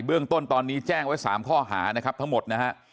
เรื่องต้นตอนนี้แจ้งไว้๓ข้อหานะครับทั้งหมดนะฮะ